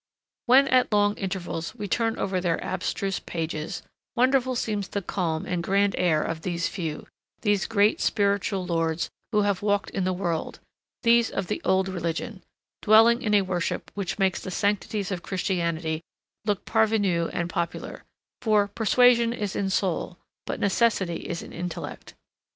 When at long intervals we turn over their abstruse pages, wonderful seems the calm and grand air of these few, these great spiritual lords who have walked in the world,—these of the old religion,—dwelling in a worship which makes the sanctities of Christianity look parvenues and popular; for "persuasion is in soul, but necessity is in intellect."